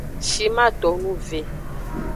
Shiman tonu ve.